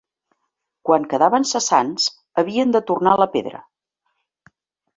Quan quedaven cessants, havien de tornar la pedra.